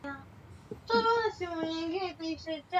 ni sera ya jumla ya vyombo vya habari vya umma nchini